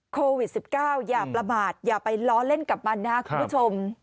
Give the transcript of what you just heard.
โควิด๑๙อย่าประมาทอย่าไปล้อเล่นกับมันนะครับคุณผู้ชม